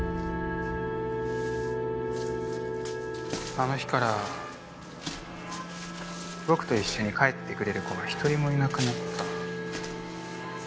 あの日から僕と一緒に帰ってくれる子が一人もいなくなった。